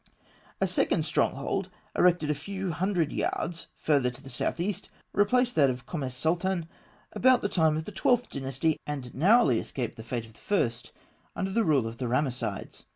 A second stronghold, erected a few hundred yards further to the south east, replaced that of Kom es Sultan about the time of the Twelfth Dynasty, and narrowly escaped the fate of the first, under the rule of the Ramessides.